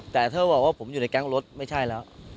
แต่ถ้าบอกว่าผมอยู่ในแก๊งรถไม่ใช่แล้ว